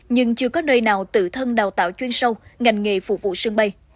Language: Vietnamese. nhưng chưa có nơi nào tự thân đào tạo chuyên sâu ngành nghề phục vụ sân bay